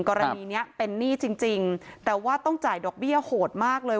กรณีนี้เป็นหนี้จริงจริงแต่ว่าต้องจ่ายดอกเบี้ยโหดมากเลย